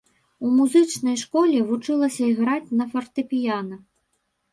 У музычнай школе вучылася іграць на фартэпіяна.